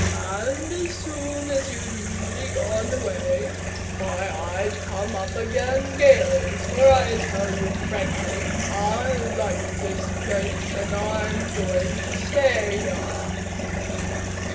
And as soon as you'd really gone away, why, I'd come up again gaily, for I tell you frankly, I like this place, and I'm going to stay here!"